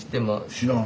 知らん。